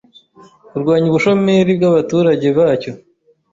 kurwanya ubushomeri bw’abaturage bacyo,